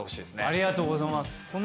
ありがとうございます。